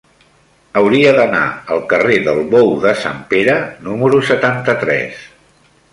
Hauria d'anar al carrer del Bou de Sant Pere número setanta-tres.